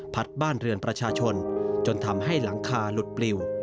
บ้านเรือนประชาชนจนทำให้หลังคาหลุดปลิว